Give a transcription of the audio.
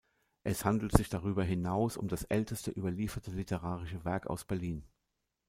Es handelt sich darüber hinaus um das älteste überlieferte literarische Werk aus Berlin.